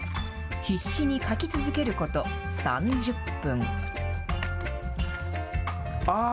必死にかき続けること３０分。